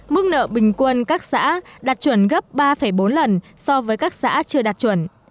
mức nợ bình quân các xã đạt chuẩn gấp ba bốn lần so với các xã chưa đạt chuẩn